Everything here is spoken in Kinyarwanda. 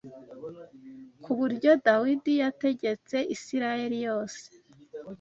ku buryo Dawidi yategetse Isirayeli yose